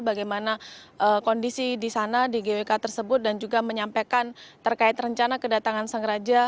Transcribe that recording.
bagaimana kondisi di sana di gwk tersebut dan juga menyampaikan terkait rencana kedatangan sang raja